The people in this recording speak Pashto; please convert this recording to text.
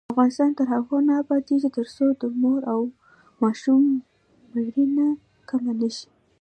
افغانستان تر هغو نه ابادیږي، ترڅو د مور او ماشوم مړینه کمه نشي.